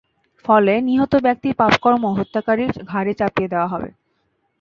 ফলে নিহত ব্যক্তির পাপকর্ম হত্যাকারীর ঘাড়ে চাপিয়ে দেওয়া হবে।